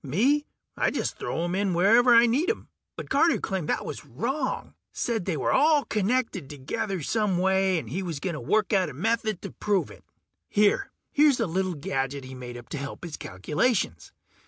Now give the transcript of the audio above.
Me, I just throw 'em in wherever I need 'em. But Carter claimed that was wrong. Said they were all connected together some way, and he was gonna work out a method to prove it. Here ... here's a little gadget he made up to help his calculations.